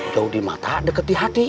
jauh dari mata dekat di hati